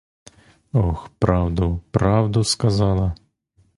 Ох, правду, правду сказала!!